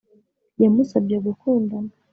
yamusabye gukundana